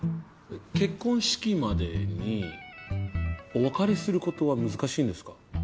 結婚式までにお別れすることは難しいんですか？